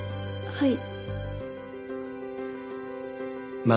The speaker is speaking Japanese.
はい。